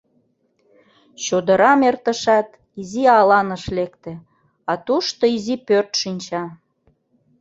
Чодырам эртышат, изи аланыш лекте, а тушто изи пӧрт шинча.